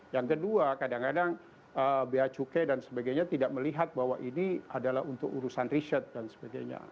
yang kedua kadang kadang bea cukai dan sebagainya tidak melihat bahwa ini adalah untuk urusan riset dan sebagainya